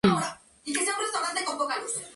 Keita Hidaka